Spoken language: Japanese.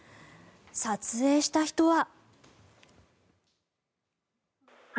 撮影した人は。